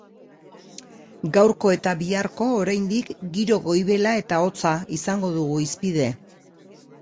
Gaurko eta biharko oraindik giro goibela eta hotza izango dugu hizpide.